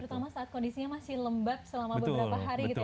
terutama saat kondisinya masih lembab selama beberapa hari gitu ya